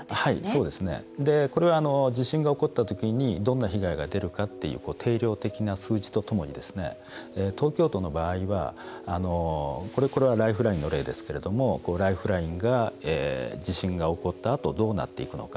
地震が起こった時にどんな被害が出るかという定量的な数値とともに東京都の場合はこれはライフラインの例ですがライフラインが地震が起こったあとどうなっていくのか。